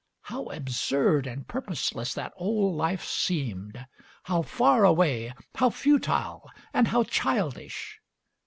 How absurd and purposeless that old life seemed; how far away, how futile, and how childish!